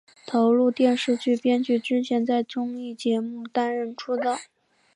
投入电视剧编剧之前在综艺节目担任出道。